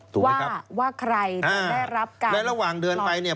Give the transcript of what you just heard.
ว่าว่าใครจะได้รับการและระหว่างเดินไปเนี่ย